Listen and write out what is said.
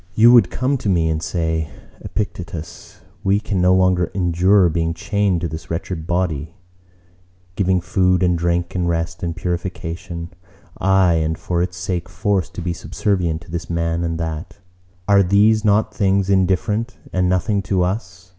You would come to me and say: "Epictetus, we can no longer endure being chained to this wretched body, giving food and drink and rest and purification: aye, and for its sake forced to be subservient to this man and that. Are these not things indifferent and nothing to us?